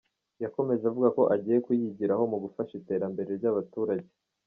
Yakomeje avuga ko agiye kuyigiraho mu gufasha iterambere ry’abaturage.